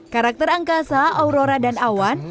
karakter angkasa aurora dan awan